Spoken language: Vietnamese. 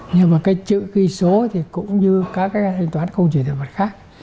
nhưng mà cái chữ ký số thì cũng như các cái thanh toán không chỉ về mặt khác